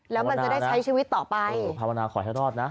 แล้วมันจะได้ใช้ชีวิตต่อไปคือภาวนาขอให้รอดนะ